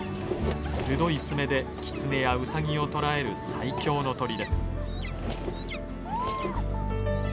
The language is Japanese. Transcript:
鋭い爪でキツネやウサギを捕らえる最強の鳥です。